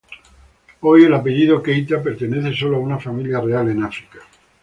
Hoy el apellido Keita pertenece solo a una familia real en África.